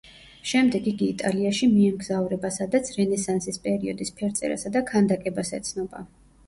შემდეგ იგი იტალიაში მიემგზავრება, სადაც რენესანსის პერიოდის ფერწერასა და ქანდაკებას ეცნობა.